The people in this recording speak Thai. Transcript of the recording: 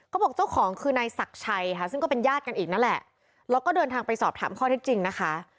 เขาบอกเจ้าของคือนายศักดิ์ชัยค่ะซึ่งก็เป็นญาติกันอีกนั่นแหละแล้วก็เดินทางไปสอบถามข้อเท็จจริงนะคะ